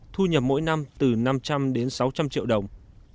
thu nhập mỗi năm từ năm trăm linh đến sáu trăm linh triệu đồng